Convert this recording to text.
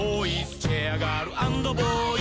チェアガール＆ボーイ」